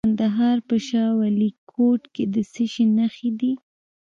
د کندهار په شاه ولیکوټ کې د څه شي نښې دي؟